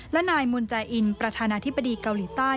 และนายมุนแอร์อินประธานาธิบดีเกาหลีใต้